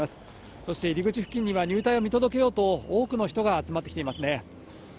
そして入り口付近には、入隊を見届けようと、多くの人が集まってきていますね。